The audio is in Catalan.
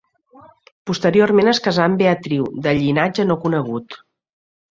Posteriorment es casà amb Beatriu, de llinatge no conegut.